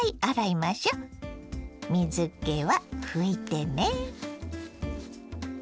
水けは拭いてね。